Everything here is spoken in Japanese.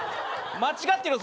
間違ってるよ